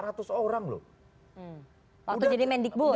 waktu jadi mendikbut